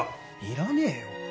いらねえよ